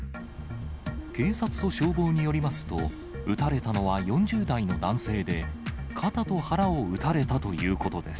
警察と消防によりますと、撃たれたのは４０代の男性で、肩と腹を撃たれたということです。